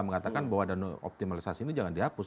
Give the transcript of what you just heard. mengatakan bahwa dana optimalisasi ini jangan dihapus